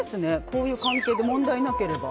こういう関係で問題なければ。